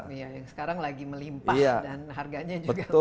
iya yang sekarang lagi melimpah dan harganya juga jauh lebih murah